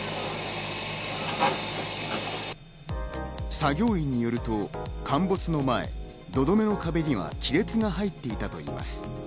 作業員によると、陥没の前、土留めの壁には亀裂が入っていたといいます。